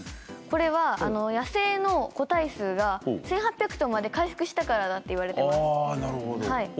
これは野生の個体数が１，８００頭まで回復したからだと言われてます。